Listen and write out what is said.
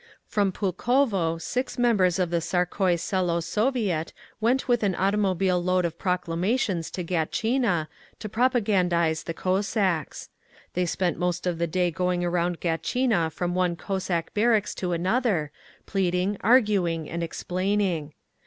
From Pulkovo six members of the Tsarskoye Selo Soviet went with an automobile load of proclamations to Gatchina, to propagandise the Cossacks. They spent most of the day going around Gatchina from one Cossack barracks to another, pleading, arguing and explaining.